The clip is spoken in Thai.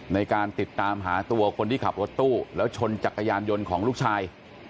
ในการติดตามหาตัวคนที่ขับรถตู้แล้วชนจักรยานยนต์ของลูกชาย